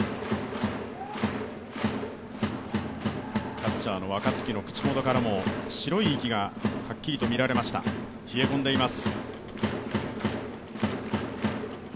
キャッチャーの若月の口元からも白い息がはっきりと見えました、冷え込んでいます。